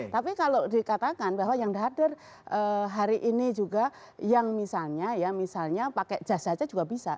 tapi kalau dikatakan bahwa yang hadir hari ini juga yang misalnya ya misalnya pakai jas saja juga bisa